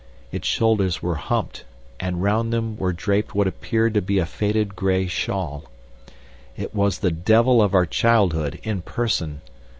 Its shoulders were humped, and round them were draped what appeared to be a faded gray shawl. It was the devil of our childhood in person.